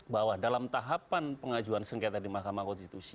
bahwa dalam tahapan pengajuan sengketa di mahkamah konstitusi